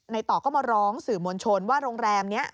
ต่อก็มาร้องสื่อมวลชนว่าโรงแรมนี้